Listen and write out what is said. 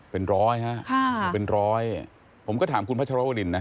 เป็นร้อยฮะค่ะเป็นร้อยผมก็ถามคุณพัชรวรินนะ